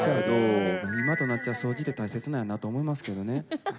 今となっては、掃除って大切なんやなって思いますけどね。